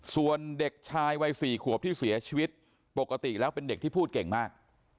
ส่วนเด็กชายวัย๔ขวบที่เสียชีวิตปกติแล้วเป็นเด็กที่พูดเก่งมาก